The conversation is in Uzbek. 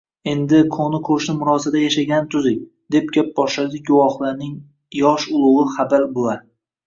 Endi, qoʻni-qoʻshni murosada yashagani tuzuk, – deb gap boshladi guvohlarning yoshi ulugʻi Habal buva.